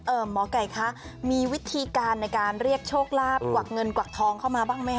หมอไก่คะมีวิธีการในการเรียกโชคลาภกวักเงินกวักทองเข้ามาบ้างไหมค